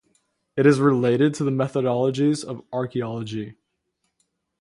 It is related to methodologies of archaeology.